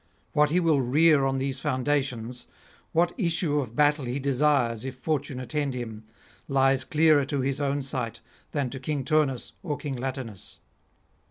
What he will rear on these foundations, what issue of battle he desires, if Fortune attend him, lies clearer to his own sight than to King Turnus or King Latinus.